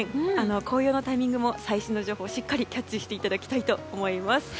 紅葉のタイミングも最新の情報をキャッチしていただきたいと思います。